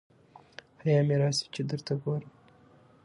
حیا مي راسي چي درته ګورم